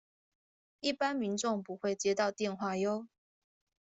一般民眾不會接到電話唷